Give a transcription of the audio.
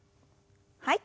はい。